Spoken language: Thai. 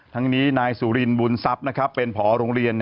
ทางนี้นายสุรินบุญซับเป็นผโรงเรียน